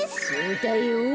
そうだよ。